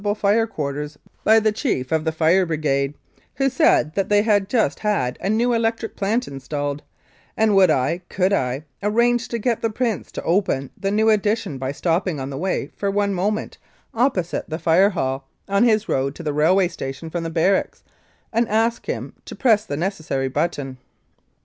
It H 105 Mounted Police Life in Canada Brigade, who said that they had just had a new electric plant installed, and would I, could I, arrange to get the Prince to open the new addition by stopping on the way for one moment, opposite the Fire Hall, on his road to the railway station from the barracks, and ask him to press the necessary button